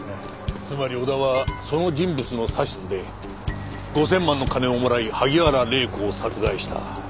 つまり小田はその人物の指図で５０００万の金をもらい萩原礼子を殺害した。